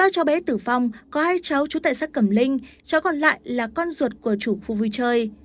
ba cháu bé tử vong có hai cháu chú tại xác cầm linh cháu còn lại là con ruột của chủ khu vui chơi